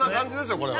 これは。